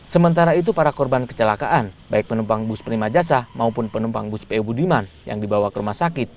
sementara itu para korban kecelakaan baik penumpang bus prima jasa maupun penumpang bus po budiman yang dibawa ke rumah sakit